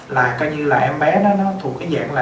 là coi như là em bé đó nó thuộc cái dạng là